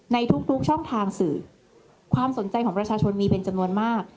ในทุกช่องทางสื่อความสนใจของประชาชนมีเป็นจำนวนมาก